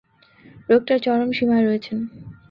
রোগটার চরম সীমায় রয়েছেন।